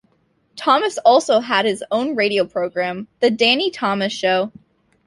Thomas also had his own radio program, "The Danny Thomas Show".